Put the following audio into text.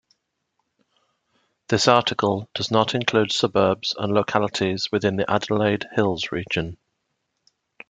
This article does not include suburbs and localities within the Adelaide Hills region.